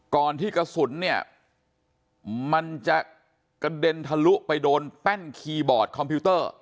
ก่อนที่กระสุนเนี่ยมันจะกระเด็นทะลุไปโดนแป้นคีย์บอร์ดคอมพิวเตอร์